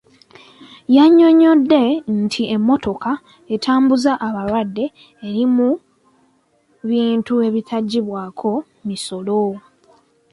Yannyonnyodde nti emmotoka etambuza abalwadde eri mu bintu ebitaggyibwako misolo.